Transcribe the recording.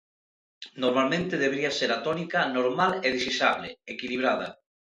Normalmente, debería ser a tónica normal e desexable, equilibrada.